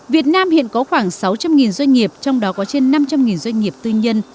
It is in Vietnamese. việt nam hiện có khoảng sáu trăm linh doanh nghiệp trong đó có trên năm trăm linh doanh nghiệp tư nhân